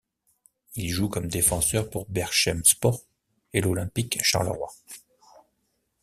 Il joue comme défenseur pour Berchem Sport et l'Olympic Charleroi.